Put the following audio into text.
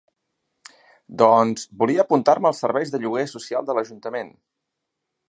Doncs volia apuntar-me als serveis de lloguer social de l'ajuntament.